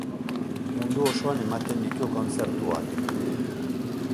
Mundu osoan ematen ditu kontzertuak.